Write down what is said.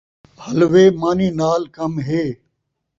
حلوے مانی نال کم ہے